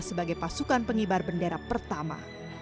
sebagai pasukan pengibar bendera pertama